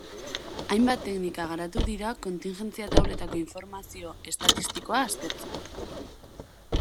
Hainbat teknika garatu dira kontigentzia-tauletako informazio estatistikoa aztertzeko.